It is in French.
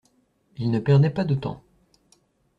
Ils ne perdaient pas de temps.